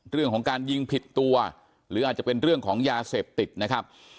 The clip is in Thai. เรื่องของการยิงผิดตัวหรืออาจจะเป็นเรื่องของยาเสพติดนะครับ